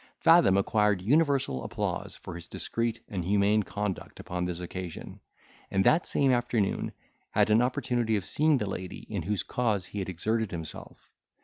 Fathom acquired universal applause for his discreet and humane conduct upon this occasion; and that same afternoon had an opportunity of seeing the lady in whose cause he had exerted himself.